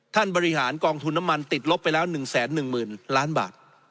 ท่านบริหารกองทุนน้ำมันติดลบไปแล้ว๑แสน๑หมื่นล้านบาท